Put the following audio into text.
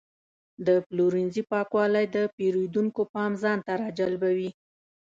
د پلورنځي پاکوالی د پیرودونکو پام ځان ته راجلبوي.